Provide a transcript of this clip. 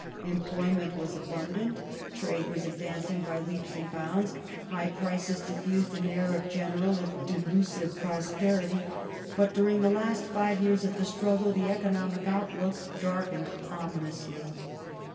Employ ment was abundant ; trade was advancing by leaps and bounds ; high prices diffused an air of general if delusive prosperity. But during the last five yeai*s of the struggle the economic outlook dai'kened ominously.